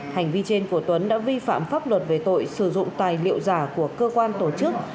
hành vi trên của tuấn đã vi phạm pháp luật về tội sử dụng tài liệu giả của cơ quan tổ chức